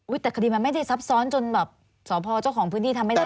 แต่คดีมันไม่ได้ซับซ้อนจนแบบสพเจ้าของพื้นที่ทำไม่ได้